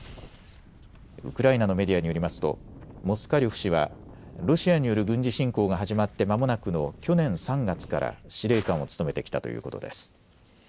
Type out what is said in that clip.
ウクライナのメディアによりますとモスカリョフ氏はロシアによる軍事侵攻が始まってまもなくの去年３月から司令官を務めてきたということです。